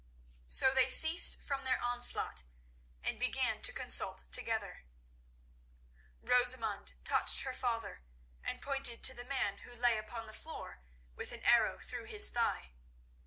So they ceased from their onslaught and began to consult together. Rosamund touched her father and pointed to the man who lay upon the floor with an arrow through his thigh.